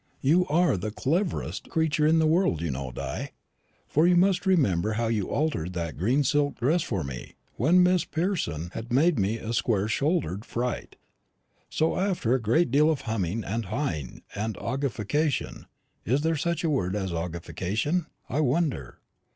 You are the cleverest creature in the world, you know, Di; for you must remember how you altered that green silk dress for me when Miss Person had made me a square shouldered fright. So, after a great deal of humming, and haing, and argufication is there such a word as 'argufication,' I wonder?